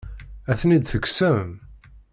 Ad ten-id-tekksem?